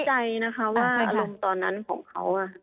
ใจนะคะว่าอารมณ์ตอนนั้นของเขา